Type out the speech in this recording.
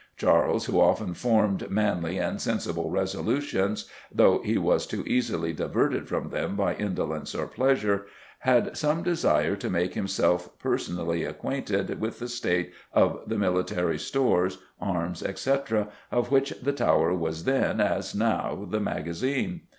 Charles, who often formed manly and sensible resolutions, though he was too easily diverted from them by indolence or pleasure, had some desire to make himself personally acquainted with the state of the military stores, arms, etc., of which the Tower was then, as now, the magazine....